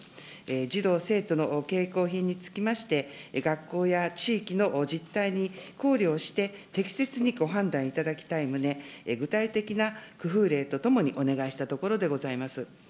児童・生徒の携行品につきまして、学校や地域の実態に考慮をして、適切にご判断いただきたい旨、具体的な工夫例とともにお願いしたところでございます。